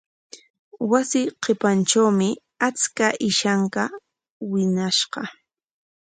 Wasi qipantrawmi achka ishanka wiñashqa.